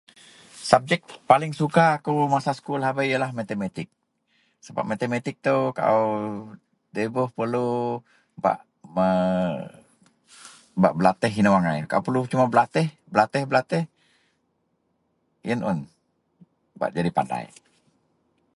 Subjek paling suka ako masa sekul lahabei ialah mathematics sebab mathematics tou kaau da iboh perlu bak melatih ino angai kaau perlu berlatih-berlatih jadi pandai.